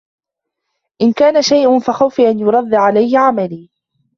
إنْ كَانَ شَيْءٌ فَخَوْفِي أَنْ يُرَدَّ عَلَيَّ عَمَلِي